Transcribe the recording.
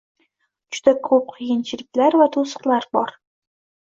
Juda ko'p qiyinchiliklar va to'siqlar bor